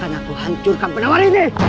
aku hancurkan penawar ini